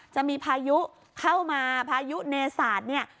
จะมีพายุเข้ามาพายุเนศาสตร์เนี่ย